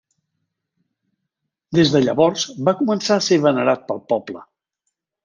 Des de llavors va començar a ser venerat pel poble.